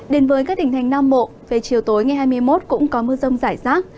đến với các tỉnh thành nam bộ về chiều tối ngày hai mươi một cũng có mưa rông rải rác